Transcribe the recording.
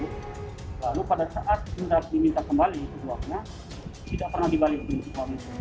lalu pada saat kita diminta kembali uangnya tidak pernah dibalikkan